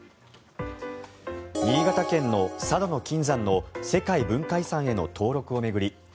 新潟県の佐渡島の金山の世界文化遺産への登録を巡り